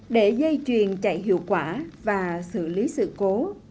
để dây chuyền chạy hiệu quả và xử lý sự cố